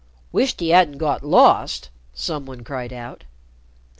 "Wisht 'e 'adn't got lost!" some one cried out.